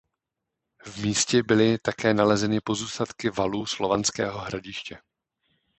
V místě byly také nalezeny pozůstatky valů slovanského hradiště.